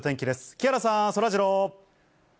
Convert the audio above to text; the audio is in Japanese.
木原さん、そらジロー。